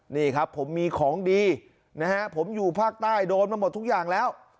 นี่ครับผมมีของดีนะฮะผมอยู่ภาคใต้โดนมาหมดทุกอย่างแล้ว